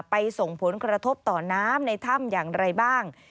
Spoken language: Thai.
ส่งผลกระทบต่อน้ำในถ้ำอย่างไรบ้าง